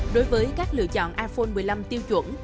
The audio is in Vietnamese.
đối với các lựa chọn iphone một mươi năm tiêu chuẩn